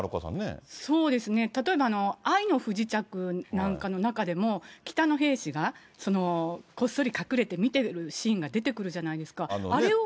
そうですね、例えば愛の不時着なんかの中でも、北の兵士が、こっそり隠れて見てるシーンが出てくるじゃないですか。